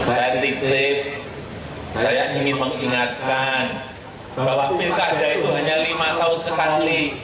saya titip saya ingin mengingatkan bahwa pilkada itu hanya lima tahun sekali